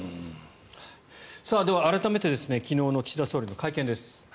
では、改めて昨日の岸田総理の会見です。